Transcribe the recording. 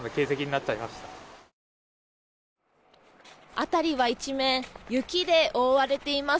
辺りは一面雪で覆われています。